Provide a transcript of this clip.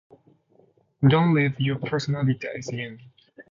don't leave your personal details in